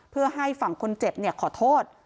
เพื่อให้ฝั่งคนเจ็บขอโทษ